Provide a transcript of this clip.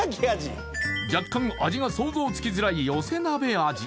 若干味が想像つきづらい寄せ鍋味